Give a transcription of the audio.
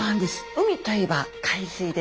海といえば海水です。